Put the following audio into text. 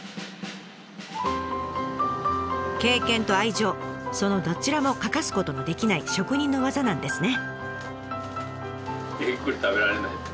経験と愛情そのどちらも欠かすことのできない職人の技なんですね。